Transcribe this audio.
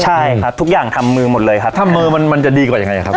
ใช่ครับทุกอย่างทำมือหมดเลยครับทำมือมันมันจะดีกว่ายังไงครับ